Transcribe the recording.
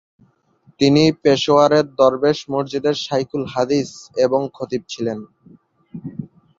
তিনি পেশোয়ারের দরবেশ মসজিদের শাইখুল হাদিস এবং খতিব ছিলেন।